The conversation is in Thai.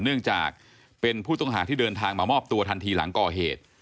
เนื่องจากเป็นผู้ต้องหาที่เดินทางมามอบตัวทันทีหลังก่อเหตุ